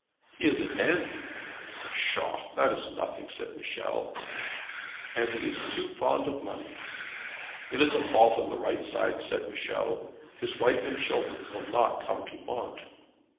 'He is a dandy.' 'Psha! that is nothing!' said Michel. 'And he is too fond of money.' 'It is a fault on the right side,' said Michel. 'His wife and children will not come to want.'